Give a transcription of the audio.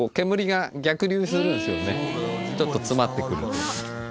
ちょっと詰まってくると。